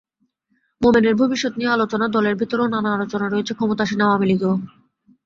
মোমেনের ভবিষ্যত নিয়ে আলোচনা দলের ভেতরেও নানা আলোচনা রয়েছে ক্ষমতাসীন আওয়ামী লীগেও।